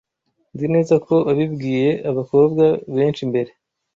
Nzi neza ko wabibwiye abakobwa benshi mbere.